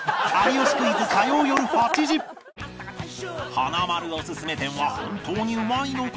華丸オススメ店は本当にうまいのか？